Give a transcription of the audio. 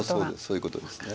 そういうことですね。